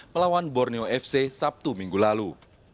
melawan borneo fc sabtu minggu lalu